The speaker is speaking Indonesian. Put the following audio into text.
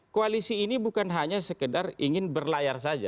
koalisi ini bukan hanya sekedar ingin berlayar saja